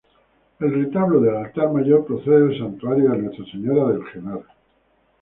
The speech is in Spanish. El retablo del altar mayor procede del Santuario de Nuestra Señora del Henar.